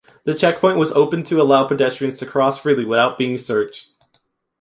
The checkpoint was opened to allow pedestrians to cross freely without being searched.